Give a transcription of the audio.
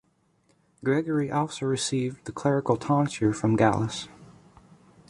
Gregory also received the clerical tonsure from Gallus.